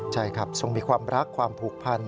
ใช่ครับทรงมีความรักความผูกพัน